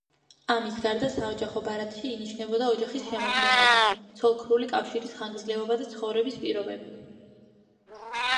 ამის გარდა საოჯახო ბარათში ინიშნებოდა ოჯახის შემადგენლობა, ცოლ-ქმრული კავშირის ხანგრძლივობა და ცხოვრების პირობები.